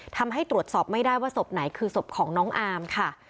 ทำให้ตรวจสอบไม่ได้ว่าศพไหนคือศพของน้องอามค่ะ